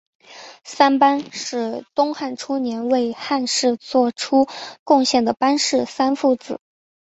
三班是东汉初年为汉室作出贡献的班氏三父子。